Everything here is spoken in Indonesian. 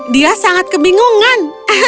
dia sangat kebingungan